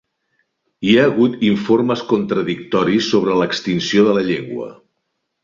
Hi ha hagut informes contradictoris sobre l'extinció de la llengua.